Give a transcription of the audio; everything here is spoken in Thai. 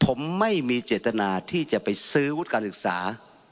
ผมไม่มีเจตนาที่จะไปซื้อวุฒิการศึกษา